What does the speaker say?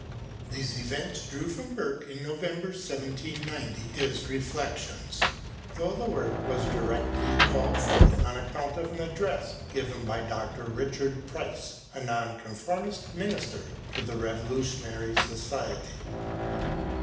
These events drew from Burke in November 1790 his " Reflections," though the work was directly called forth on account of an address given by a Dr. Richard Price, a Nonconformist minister, to the Revolutionary Society.